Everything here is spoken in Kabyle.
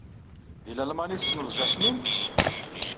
Deg Lalman ay tessneḍ Jasmin?